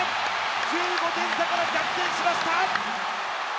１５点差から逆転しました。